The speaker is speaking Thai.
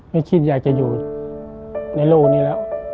ไม่คิดอยากจะอยู่ในโลกนี้แล้ว